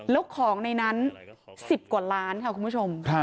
แล้วของในนั้น๑๐กว่าล้านค่ะคุณผู้ชม